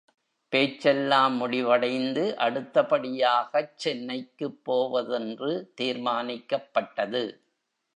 பேச்செல்லாம் முடிவடைந்து அடுத்தபடியாகச் சென்னைக்குப் போவதென்று தீர்மானிக்கப் பட்டது.